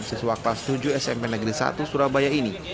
siswa kelas tujuh smp negeri satu surabaya ini